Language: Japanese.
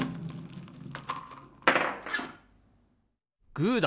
グーだ！